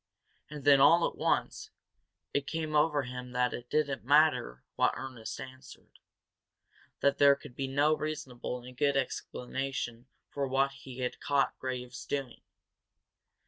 And then, all at once, it came over him that it did not matter what Ernest answered, that there could be no reasonable and good explanation for what he had caught Graves doing.